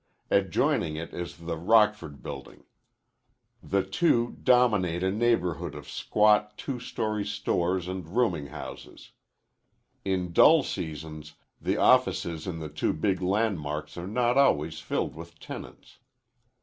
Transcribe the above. Adjoining it is the Rockford Building. The two dominate a neighborhood of squat two story stores and rooming houses. In dull seasons the offices in the two big landmarks are not always filled with tenants.